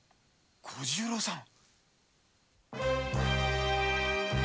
小十郎さん！